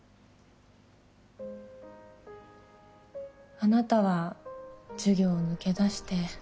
あなたは授業を抜け出して。